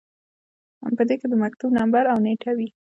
په دې کې د مکتوب نمبر او نیټه وي.